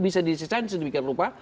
bisa disesuaikan sedemikian rupa